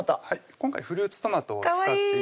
今回フルーツトマトを使っていきます